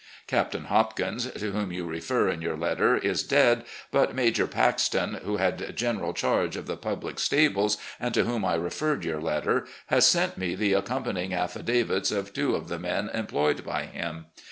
Captain Hop kins , to whom you refer in your letter, is dead, but Major Paxton, who had general charge of the public stables, and to whom I referred your letter, has sent me the accompan3dng affidavits of two of the men employed by him.